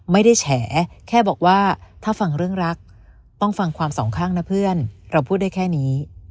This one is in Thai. แฉแค่บอกว่าถ้าฟังเรื่องรักต้องฟังความสองข้างนะเพื่อนเราพูดได้แค่นี้